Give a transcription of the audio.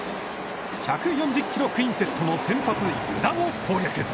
１４０キロクインテットの先発湯田を攻略。